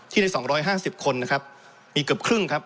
ใน๒๕๐คนนะครับมีเกือบครึ่งครับ